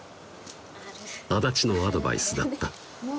安達のアドバイスだった「何？